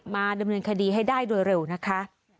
มาดำเนินคดีให้ได้โดยเร็วนะคะ